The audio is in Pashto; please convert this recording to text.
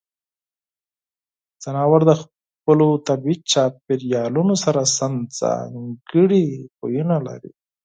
ځناور د خپلو طبیعي چاپیریالونو سره سم ځانګړې عادتونه لري.